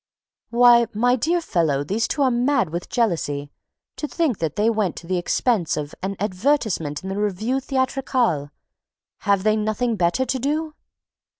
"Why, my dear fellow, these two are mad with jealousy! To think that they went to the expense of, an advertisement in the Revue Theatrale! Have they nothing better to do?"